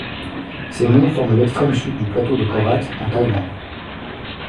Ces monts forment l'extrême sud du plateau de Khorat en Thaïlande.